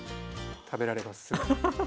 食べられます。